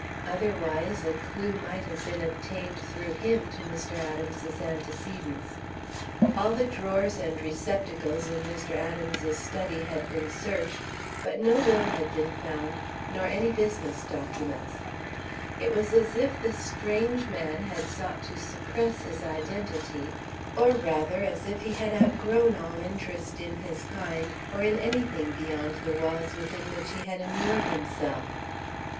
Otherwise a clew might have been obtained through him to Mr. Adams's antecedents. All the drawers and receptacles in Mr. Adams's study had been searched, but no will had been found nor any business documents. It was as if this strange man had sought to suppress his identity, or, rather, as if he had outgrown all interest in his kind or in anything beyond the walls within which he had immured himself.